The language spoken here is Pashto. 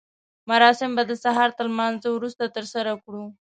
مراسم به د سهار تر لمانځه وروسته ترسره کړو.